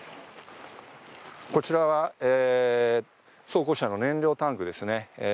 こちらは装甲車の燃料タンクですね。